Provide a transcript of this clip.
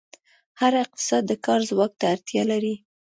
هر اقتصاد د کار ځواک ته اړتیا لري.